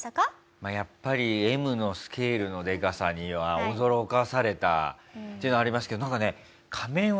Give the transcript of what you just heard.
まあやっぱりＭのスケールのでかさには驚かされたっていうのはありますけどなんかね仮面はね